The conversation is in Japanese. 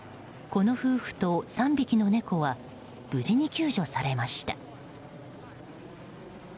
この夫婦と３匹の猫は無事に救助されました。